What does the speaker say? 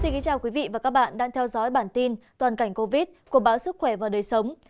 chào mừng quý vị đến với bản tin toàn cảnh covid của báo sức khỏe và đời sống